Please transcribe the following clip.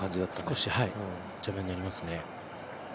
少し邪魔になりますね。